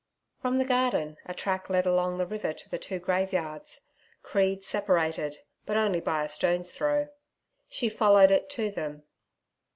From the garden a track led along the river to the two graveyards—creed separated, but only by a stone's throw; she followed it to them.